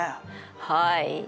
はい。